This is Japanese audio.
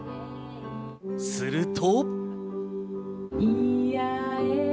すると。